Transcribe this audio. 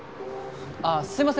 あっすいません。